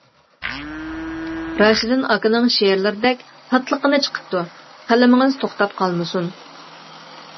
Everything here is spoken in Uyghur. راشىدىن ئاكىنىڭ شېئىرلىرىدەك تاتلىققىنە چىقىپتۇ، قەلىمىڭىز توختاپ قالمىسۇن.